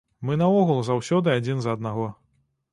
Мы наогул заўсёды адзін за аднаго.